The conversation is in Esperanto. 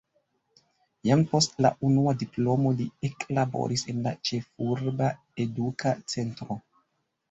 Jam post la unua diplomo li eklaboris en la ĉefurba eduka centro.